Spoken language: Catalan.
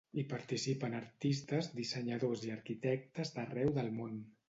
Hi participen artistes, dissenyadors i arquitectes d’arreu del món.